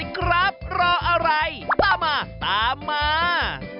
ครับรออะไรตามมาตามมา